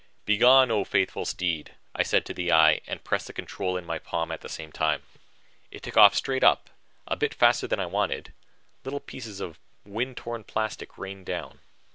"Begone, O faithful steed," I said to the eye, and pressed the control in my palm at the same time. It took off straight up a bit faster than I wanted; little pieces of wind torn plastic rained down.